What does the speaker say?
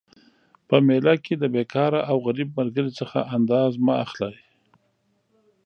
په میله کي د بیکاره او غریب ملګري څخه انداز مه اخلئ